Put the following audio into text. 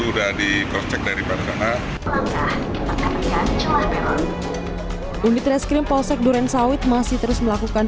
sudah diproses dari barangnya unit reskrim polsek durensawit masih terus melakukan